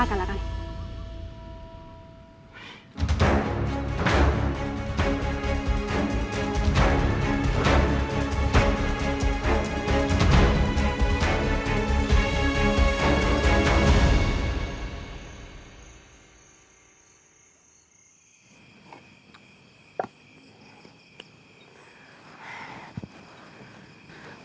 แล้วเดี๋ยวดูว่าจะเก็บไหม